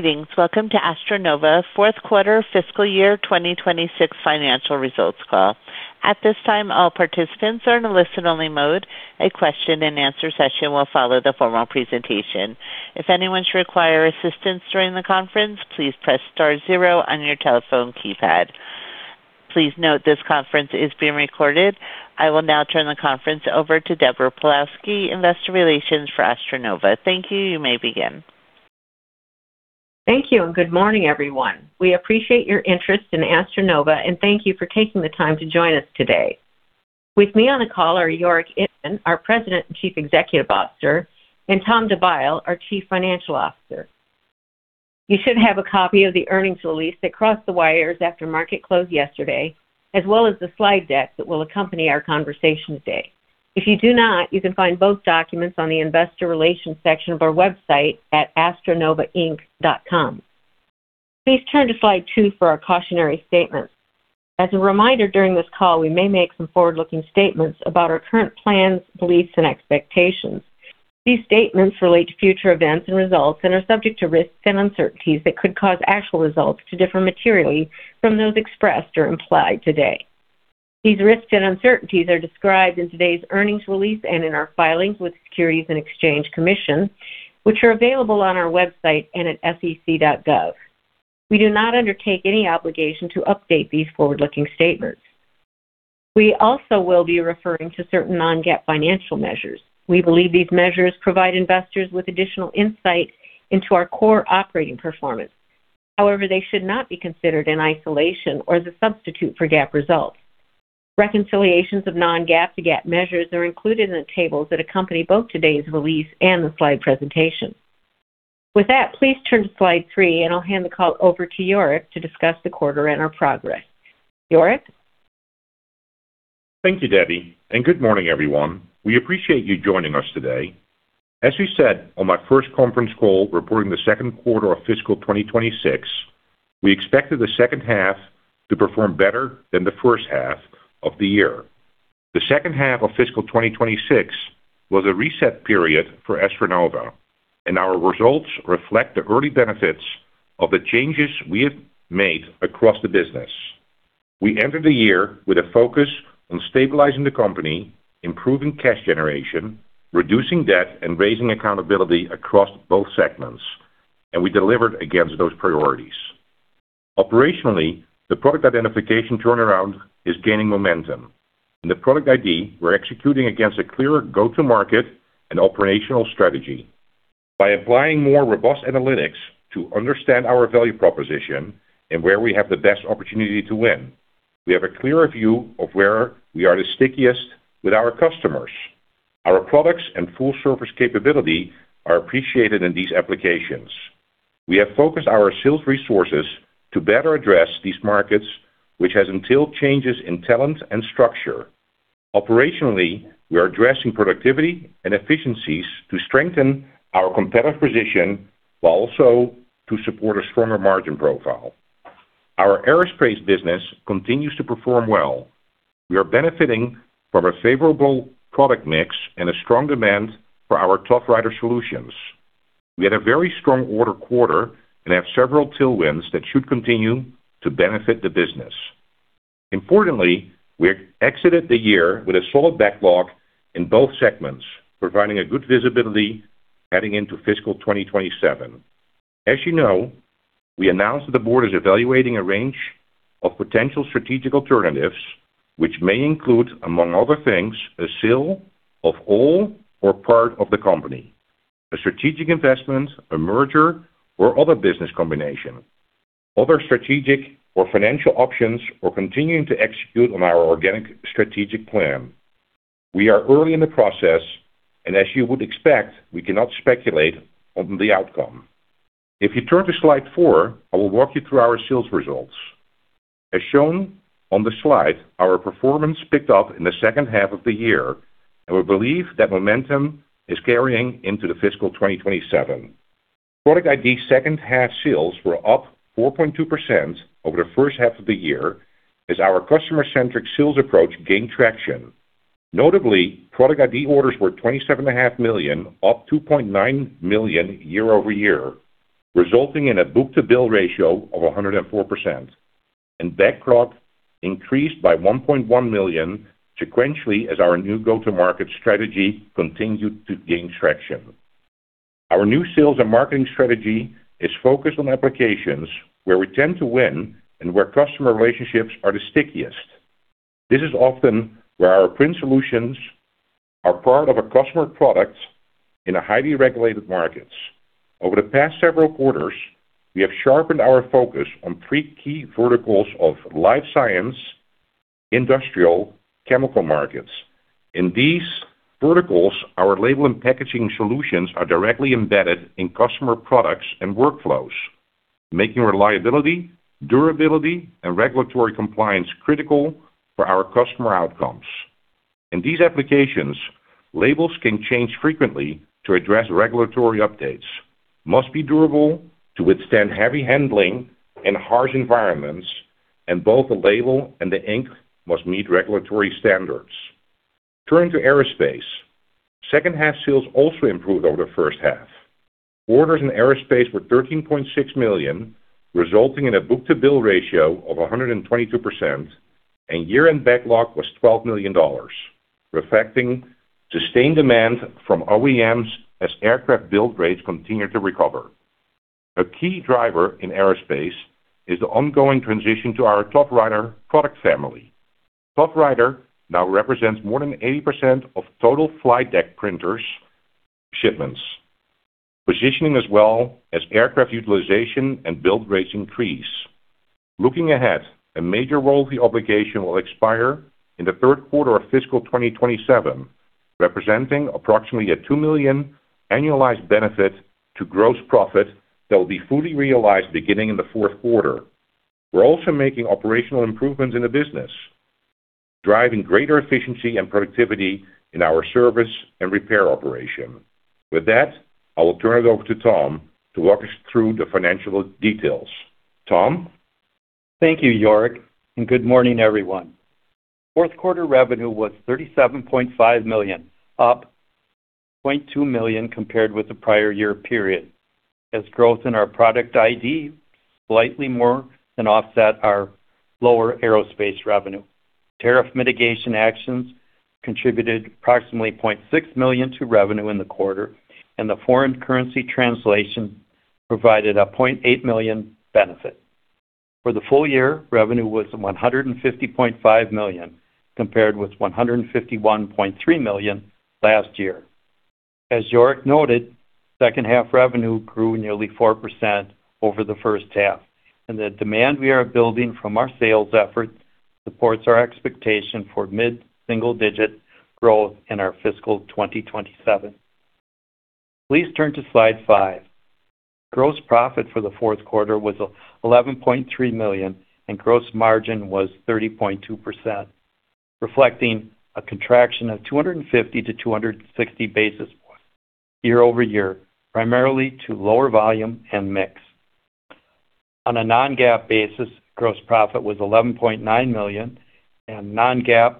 Greetings. Welcome to AstroNova Q4 fiscal year 2026 financial results call. At this time, all participants are in a listen-only mode. A question and answer session will follow the formal presentation. If anyone should require assistance during the conference, please press star zero on your telephone keypad. Please note this conference is being recorded. I will now turn the conference over to Deborah Pawlowski, Investor Relations for AstroNova. Thank you. You may begin. Thank you, and good morning, everyone. We appreciate your interest in AstroNova, and thank you for taking the time to join us today. With me on the call are Jorik Ittmann, our President and Chief Executive Officer, and Tom DeByle, our Chief Financial Officer. You should have a copy of the earnings release that crossed the wires after market close yesterday, as well as the slide deck that will accompany our conversation today. If you do not, you can find both documents on the investor relations section of our website at astronovainc.com. Please turn to slide two for our cautionary statement. As a reminder, during this call, we may make some forward-looking statements about our current plans, beliefs, and expectations. These statements relate to future events and results and are subject to risks and uncertainties that could cause actual results to differ materially from those expressed or implied today. These risks and uncertainties are described in today's earnings release and in our filings with Securities and Exchange Commission, which are available on our website and at sec.gov. We do not undertake any obligation to update these forward-looking statements. We also will be referring to certain non-GAAP financial measures. We believe these measures provide investors with additional insight into our core operating performance. However, they should not be considered in isolation or as a substitute for GAAP results. Reconciliations of non-GAAP to GAAP measures are included in the tables that accompany both today's release and the slide presentation. With that, please turn to slide three and I'll hand the call over to Jorik to discuss the quarter and our progress. Jorik? Thank you, Debbie. Good morning, everyone. We appreciate you joining us today. As we said on my first conference call reporting the Q2 of fiscal 2026, we expected the H2 to perform better than the H1 of the year. The H2 of fiscal 2026 was a reset period for AstroNova, and our results reflect the early benefits of the changes we have made across the business. We entered the year with a focus on stabilizing the company, improving cash generation, reducing debt, and raising accountability across both segments, and we delivered against those priorities. Operationally, the Product Identification turnaround is gaining momentum. In Product ID, we're executing against a clearer go-to-market and operational strategy. By applying more robust analytics to understand our value proposition and where we have the best opportunity to win, we have a clearer view of where we are the stickiest with our customers. Our products and full-service capability are appreciated in these applications. We have focused our sales resources to better address these markets, which has entailed changes in talent and structure. Operationally, we are addressing productivity and efficiencies to strengthen our competitive position, while also to support a stronger margin profile. Our aerospace business continues to perform well. We are benefiting from a favorable product mix and a strong demand for our ToughWriter solutions. We had a very strong order quarter and have several tailwinds that should continue to benefit the business. Importantly, we exited the year with a solid backlog in both segments, providing a good visibility heading into fiscal 2027. As you know, we announced that the Board is evaluating a range of potential strategic alternatives, which may include, among other things, a sale of all or part of the company, a strategic investment, a merger, or other business combination, other strategic or financial options, or continuing to execute on our organic strategic plan. We are early in the process, and as you would expect, we cannot speculate on the outcome. If you turn to slide four, I will walk you through our sales results. As shown on the slide, our performance picked up in the H2 of the year, and we believe that momentum is carrying into the fiscal 2027. Product ID H2 sales were up 4.2% over the H1 of the year as our customer-centric sales approach gained traction. Notably, Product ID orders were $27.5 million, up $2.9 million year-over-year, resulting in a book-to-bill ratio of 104%, and backlog increased by $1.1 million sequentially as our new go-to-market strategy continued to gain traction. Our new sales and marketing strategy is focused on applications where we tend to win and where customer relationships are the stickiest. This is often where our print solutions are part of a customer product in a highly regulated markets. Over the past several quarters, we have sharpened our focus on three key verticals of life science, industrial, chemical markets. In these verticals, our label and packaging solutions are directly embedded in customer products and workflows, making reliability, durability, and regulatory compliance critical for our customer outcomes. In these applications, labels can change frequently to address regulatory updates, must be durable to withstand heavy handling and harsh environments, and both the label and the ink must meet regulatory standards. Turning to aerospace, second-half sales also improved over the H1. Orders in aerospace were $13.6 million, resulting in a book-to-bill ratio of 122%, and year-end backlog was $12 million, reflecting sustained demand from OEMs as aircraft build rates continue to recover. A key driver in aerospace is the ongoing transition to our ToughWriter product family. ToughWriter now represents more than 80% of total flight deck printers shipments, positioning us well as aircraft utilization and build rates increase. Looking ahead, a major royalty obligation will expire in the Q3 of fiscal 2027, representing approximately a $2 million annualized benefit to gross profit that will be fully realized beginning in the Q4. We're also making operational improvements in the business, driving greater efficiency and productivity in our service and repair operation. With that, I will turn it over to Tom to walk us through the financial details. Tom? Thank you, Jorik, and good morning, everyone. Q4 revenue was $37.5 million, up $0.2 million compared with the prior year period, as growth in our Product ID slightly more than offset our lower aerospace revenue. Tariff mitigation actions contributed approximately $0.6 million to revenue in the quarter, and the foreign currency translation provided a $0.8 million benefit. For the full year, revenue was $150.5 million, compared with $151.3 million last year. As Jorik noted, H2 revenue grew nearly 4% over the H1, and the demand we are building from our sales effort supports our expectation for mid-single digit growth in our fiscal 2027. Please turn to slide five. Gross profit for the Q4 was $11.3 million, and gross margin was 30.2%, reflecting a contraction of 250 to 260 basis points year-over-year, primarily to lower volume and mix. On a non-GAAP basis, gross profit was $11.9 million and non-GAAP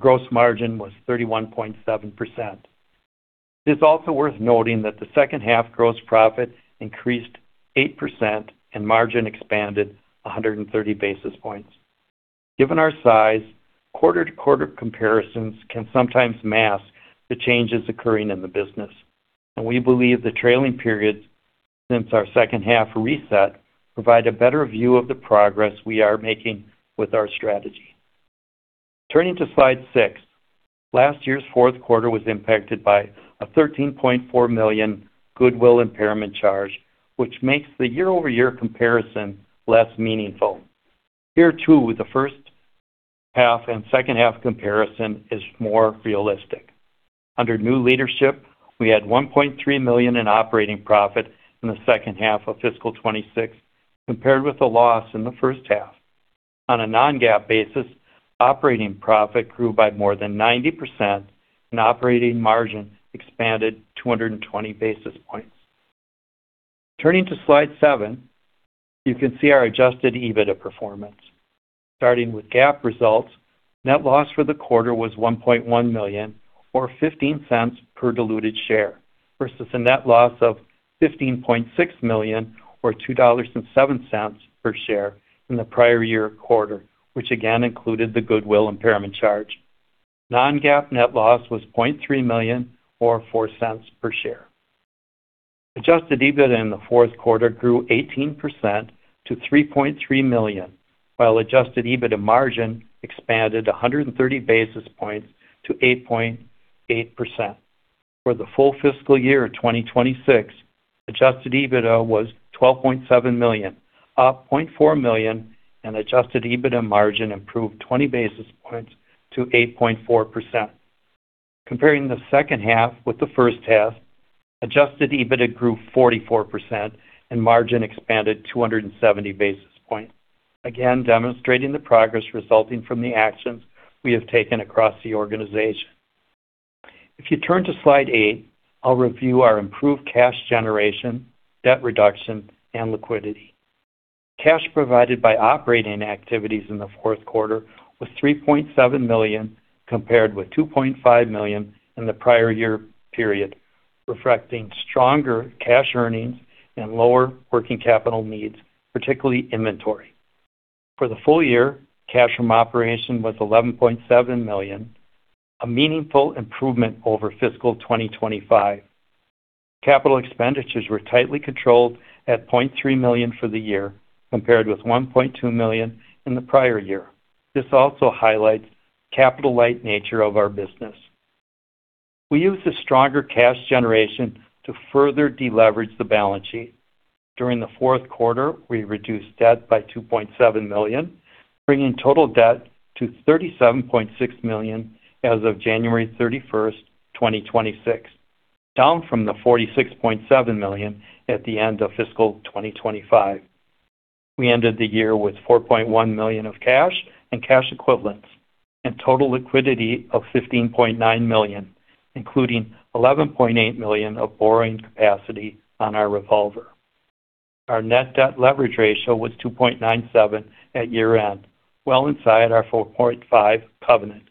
gross margin was 31.7%. It's also worth noting that the H2 gross profit increased 8% and margin expanded 130 basis points. Given our size, quarter-to-quarter comparisons can sometimes mask the changes occurring in the business, and we believe the trailing periods since our H2 reset provide a better view of the progress we are making with our strategy. Turning to slide six. Last year's Q4 was impacted by a $13.4 million goodwill impairment charge, which makes the year-over-year comparison less meaningful. Here, too, the H1 and H2 comparison is more realistic. Under new leadership, we had $1.3 million in operating profit in the H2 of fiscal 2026, compared with a loss in the H1. On a non-GAAP basis, operating profit grew by more than 90%, and operating margin expanded 220 basis points. Turning to slide seven, you can see our Adjusted EBITDA performance. Starting with GAAP results, net loss for the quarter was $1.1 million, or $0.15 per diluted share, versus a net loss of $15.6 million, or $2.70 per share in the prior year quarter, which again included the goodwill impairment charge. Non-GAAP net loss was $0.3 million, or $0.04 per share. Adjusted EBITDA in the Q4 grew 18% to $3.3 million, while Adjusted EBITDA margin expanded 130 basis points to 8.8%. For the full fiscal year of 2026, Adjusted EBITDA was $12.7 million, up $0.4 million, and Adjusted EBITDA margin improved 20 basis points to 8.4%. Comparing the H2 with the H1, Adjusted EBITDA grew 44% and margin expanded 270 basis points, again demonstrating the progress resulting from the actions we have taken across the organization. If you turn to slide eight, I'll review our improved cash generation, debt reduction, and liquidity. Cash provided by operating activities in the Q4 was $3.7 million, compared with $2.5 million in the prior-year period, reflecting stronger cash earnings and lower working capital needs, particularly inventory. For the full year, cash from operation was $11.7 million, a meaningful improvement over fiscal 2025. Capital expenditures were tightly controlled at $0.3 million for the year, compared with $1.2 million in the prior year. This also highlights capital-light nature of our business. We used the stronger cash generation to further deleverage the balance sheet. During the Q4, we reduced debt by $2.7 million, bringing total debt to $37.6 million as of January 31st, 2026, down from the $46.7 million at the end of fiscal 2025. We ended the year with $4.1 million of cash and cash equivalents and total liquidity of $15.9 million, including $11.8 million of borrowing capacity on our revolver. Our net debt leverage ratio was 2.97 at year-end, well inside our 4.5 covenant,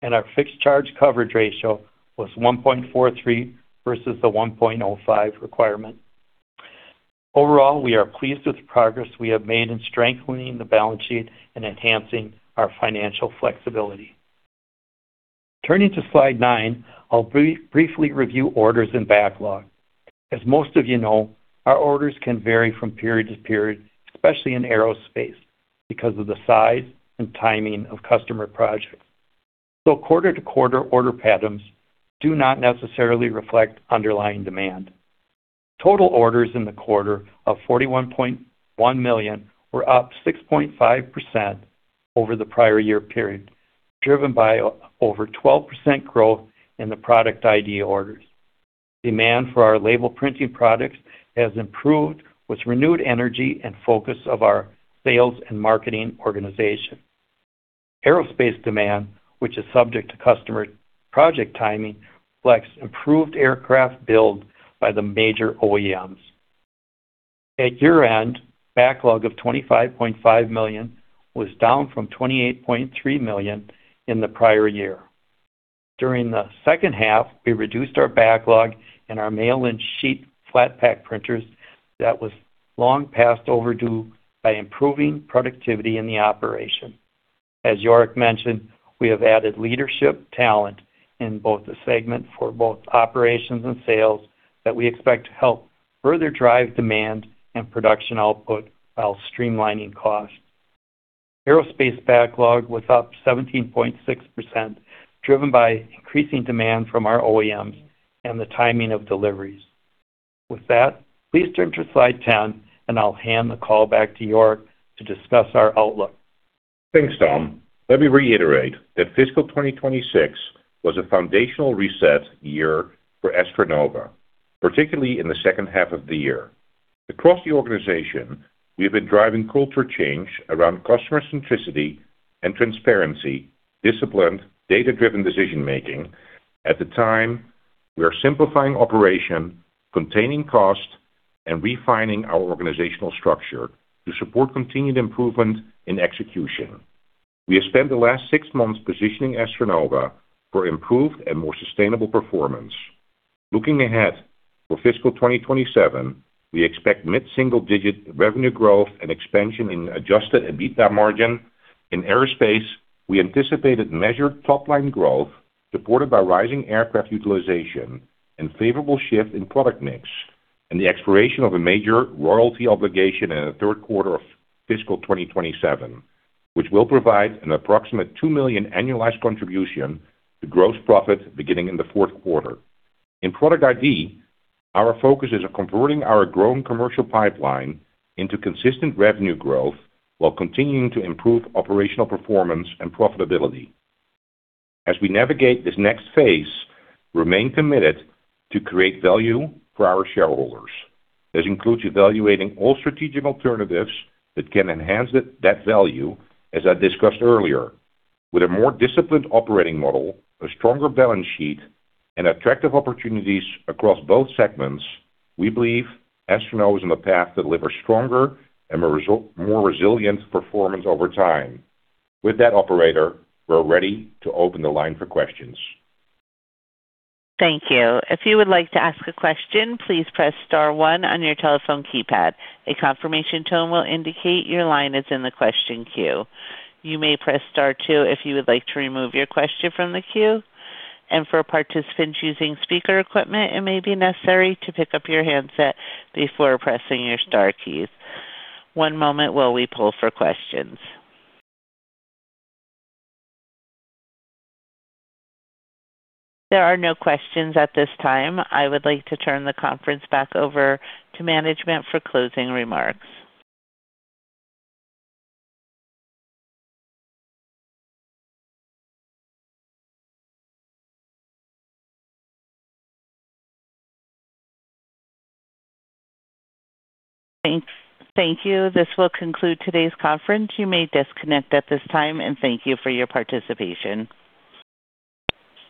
and our fixed charge coverage ratio was 1.43 versus the 1.05 requirement. Overall, we are pleased with the progress we have made in strengthening the balance sheet and enhancing our financial flexibility. Turning to slide nine, I'll briefly review orders and backlog. As most of you know, our orders can vary from period to period, especially in aerospace, because of the size and timing of customer projects. Quarter-to-quarter order patterns do not necessarily reflect underlying demand. Total orders in the quarter of $41.1 million were up 6.5% over the prior year period, driven by over 12% growth in the Product ID orders. Demand for our label printing products has improved with renewed energy and focus of our sales and marketing organization. Aerospace demand, which is subject to customer project timing, reflects improved aircraft build by the major OEMs. At year-end, backlog of $25.5 million was down from $28.3 million in the prior year. During the H2, we reduced our backlog in our mail and sheet flat pack printers that was long past overdue by improving productivity in the operation. As Jorik mentioned, we have added leadership talent in both the segment for both operations and sales that we expect to help further drive demand and production output while streamlining costs. Aerospace backlog was up 17.6%, driven by increasing demand from our OEMs and the timing of deliveries. With that, please turn to slide 10, and I'll hand the call back to Jorik to discuss our outlook. Thanks, Tom. Let me reiterate that fiscal 2026 was a foundational reset year for AstroNova, particularly in the H2 of the year. Across the organization, we have been driving culture change around customer centricity and transparency, disciplined, data-driven decision making. At the time, we are simplifying operation, containing cost, and refining our organizational structure to support continued improvement in execution. We have spent the last six months positioning AstroNova for improved and more sustainable performance. Looking ahead for fiscal 2027, we expect mid-single-digit revenue growth and expansion in Adjusted EBITDA margin. In aerospace, we anticipated measured top-line growth supported by rising aircraft utilization and favorable shift in product mix, and the expiration of a major royalty obligation in the Q3 of fiscal 2027, which will provide an approximate $2 million annualized contribution to gross profit beginning in the Q4. In Product ID, our focus is on converting our growing commercial pipeline into consistent revenue growth while continuing to improve operational performance and profitability. As we navigate this next phase, remain committed to create value for our shareholders. This includes evaluating all strategic alternatives that can enhance that value, as I discussed earlier. With a more disciplined operating model, a stronger balance sheet, and attractive opportunities across both segments, we believe AstroNova is on the path to deliver stronger and more resilient performance over time. With that, operator, we're ready to open the line for questions. Thank you. If you would like to ask a question, please press star one on your telephone keypad. A confirmation tone will indicate your line is in the question queue. You may press star two if you would like to remove your question from the queue. For participants using speaker equipment, it may be necessary to pick up your handset before pressing your star keys. One moment while we pull for questions. There are no questions at this time. I would like to turn the conference back over to management for closing remarks. Thank you. This will conclude today's conference. You may disconnect at this time, and thank you for your participation.